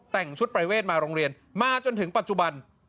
แต่งชุดประเวทมาโรงเรียนมาจนถึงปัจจุบัน